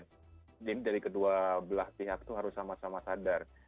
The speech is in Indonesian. jadi ini dari kedua belah pihak itu harus sama sama sadar